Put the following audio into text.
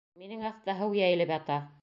Минең аҫта һыу йәйелеп ята.